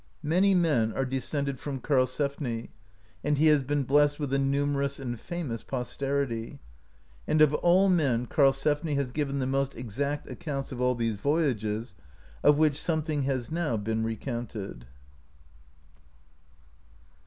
Many men are descended from Karlsefni, and he has been blessed with a numerous and famous posterity ; and of all men Karlsefni has given the most exact accounts of all these voyages, of which some thing has now been recounted.